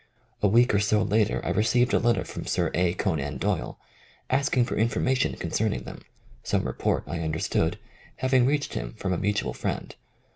A week or so later I re ceived a letter from Sir A. Conan Doyle ask ing for information concerning them, some report, I imderstood, having reached him from a mutual friend.